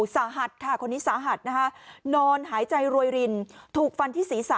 สาหัสค่ะคนนี้สาหัสนะคะนอนหายใจรวยรินถูกฟันที่ศีรษะ